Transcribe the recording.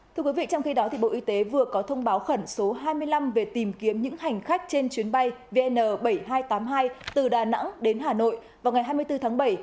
thưa quý vị trong khi đó bộ y tế vừa có thông báo khẩn số hai mươi năm về tìm kiếm những hành khách trên chuyến bay vn bảy nghìn hai trăm tám mươi hai từ đà nẵng đến hà nội vào ngày hai mươi bốn tháng bảy